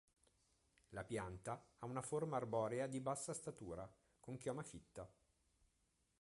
La pianta ha una forma arborea di bassa statura, con chioma fitta.